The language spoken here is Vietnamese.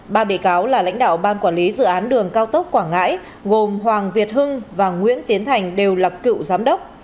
ba bị cáo là lãnh đạo ban quản lý dự án đường cao tốc quảng ngãi gồm hoàng việt hưng và nguyễn tiến thành đều là cựu giám đốc